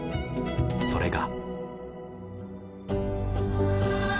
それが。